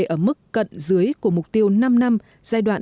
ở mức cận dưới của mục tiêu năm năm giai đoạn hai nghìn hai mươi hai nghìn hai mươi